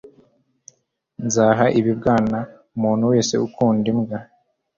Nzaha ibibwana umuntu wese ukunda imbwa